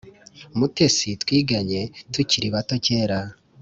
Mutesi twiganye tukiri bato kera